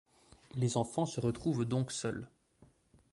Les enfants se retrouvent donc seuls.